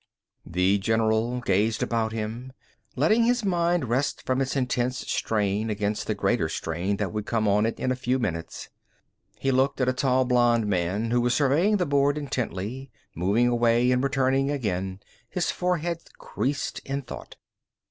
The general gazed about him, letting his mind rest from its intense strain against the greater strain that would come on it in a few minutes. He looked at a tall blond man who was surveying the board intently, moving away, and returning again, his forehead creased in thought.